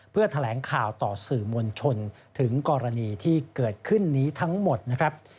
เพื่อแถลงข่าวต่อสื่อมวลชนถึงกรณีที่เกิดขึ้นนี้ทั้งหมดนะครับ